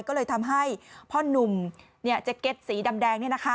ก็เลยทำให้พ่อนุ่มแจ็คเก็ตสีดำแดง